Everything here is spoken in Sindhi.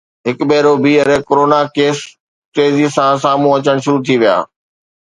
هڪ ڀيرو ٻيهر ڪرونا ڪيس تيزي سان سامهون اچڻ شروع ٿي ويا